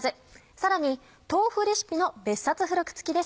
さらに豆腐レシピの別冊付録付きです。